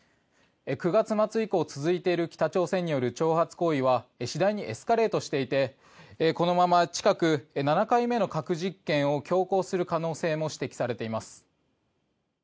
９月末以降続いている北朝鮮による挑発行為は次第にエスカレートしていてこのまま近く７回目の核実験を強行する可能性も指摘されています。